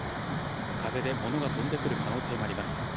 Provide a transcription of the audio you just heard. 風でものが飛んでくる可能性もあります。